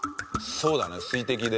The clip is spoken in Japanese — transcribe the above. そうだね水滴で。